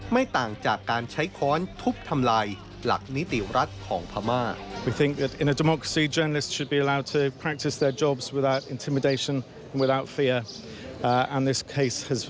ไม่ต่างจากการใช้ค้อนทุบทำลายหลักนิติรัฐของพม่า